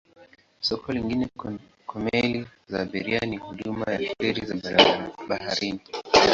Soko lingine kwa meli za abiria ni huduma ya feri za baharini.